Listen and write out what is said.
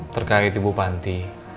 terkait ibu panti